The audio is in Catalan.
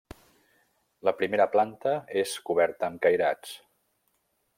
La primera planta és coberta amb cairats.